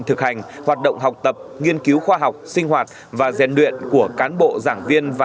thực hành hoạt động học tập nghiên cứu khoa học sinh hoạt và gian luyện của cán bộ giảng viên và